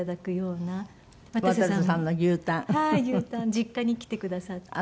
実家に来てくださって。